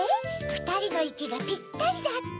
「ふたりのいきがぴったり」だって？